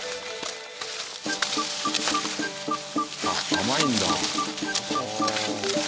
甘いんだ。